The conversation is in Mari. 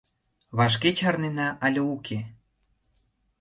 Вашке чарнена але уке?